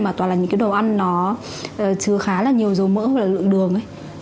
mà toàn là những cái đồ ăn nó chứa khá là nhiều dầu mỡ hoặc là lượng đường ấy